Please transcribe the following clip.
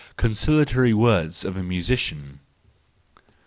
Consolatory Words of a Musician.